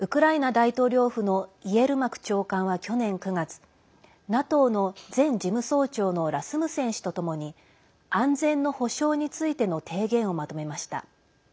大統領府のイエルマク長官は去年９月ＮＡＴＯの前事務総長のラスムセン氏とともに安全の保証についての提言をまとめました。